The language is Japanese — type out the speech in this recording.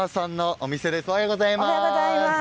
おはようございます。